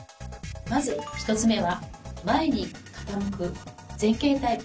まず１つ目は前に傾く前傾タイプ。